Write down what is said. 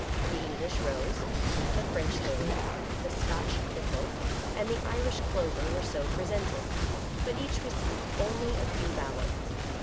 The English rose, the French lily, the Scotch thistle and the Irish clover were so pre sented, but each received only a few ballots.